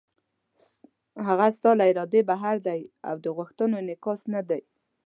هغه ستا له ارادې بهر دی او د غوښتنو انعکاس نه دی.